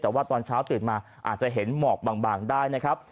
แต่ว่าตอนเช้าตื่นมาอาจจะเห็นหมอกบางได้นะครับ